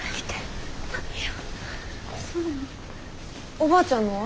おばあちゃんのは？